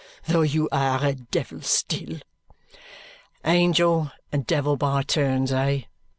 Though you are a devil still." "Angel and devil by turns, eh?"